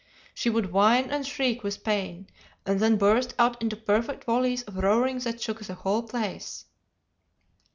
She would whine and shriek with pain, and then burst out into perfect volleys of roaring that shook the whole place.